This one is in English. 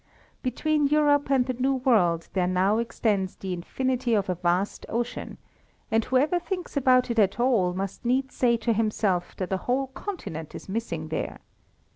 Between Europe and the New World there now extends the infinity of a vast ocean, and whoever thinks about it at all must needs say to himself that a whole continent is missing there.